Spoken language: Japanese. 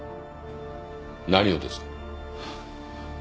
何をです？